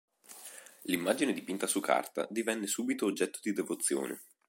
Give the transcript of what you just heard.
L'immagine dipinta su carta, divenne subito oggetto di devozione.